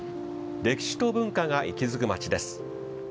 歴史と文化が息づく町です。